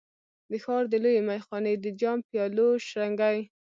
د ښار د لویې میخانې د جام، پیالو شرنګی